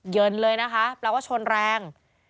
เย็นเลยนะคะแปลว่าชนแรง